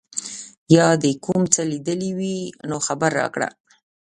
یا دي کوم څه لیدلي وي نو خبر راکړه.